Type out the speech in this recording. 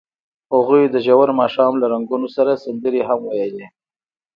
هغوی د ژور ماښام له رنګونو سره سندرې هم ویلې.